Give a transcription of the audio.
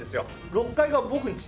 ６階が僕んち。